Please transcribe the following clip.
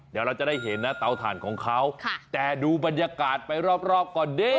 เดี๋ยวเราจะได้เห็นนะเตาถ่านของเขาแต่ดูบรรยากาศไปรอบก่อนดิ